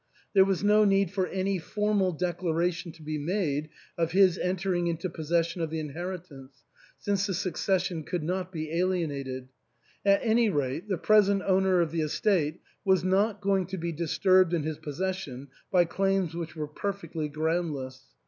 There was no need for any formal declaration to be made of his entering into possession of the inheritance, since the succession could not be alienated ; at any rate, the present owner of the estate was not going to be disturbed in his pos session by claims which were perfectly groundless.